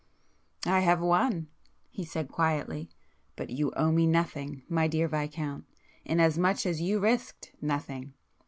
"I have won!" he said quietly. "But you owe me nothing, my dear Viscount, inasmuch as you risked—Nothing!